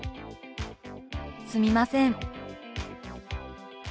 「すみません」。